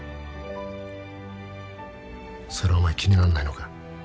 それお前気になんないのか？